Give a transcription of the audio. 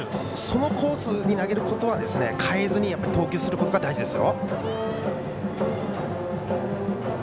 そのコースに投げることは変えずに投球することが大事です。